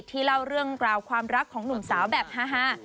เล่าเรื่องราวความรักของหนุ่มสาวแบบฮา